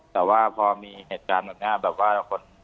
แต่ว่าพอมีเหตุการณ์แบบนี้แบบว่าคน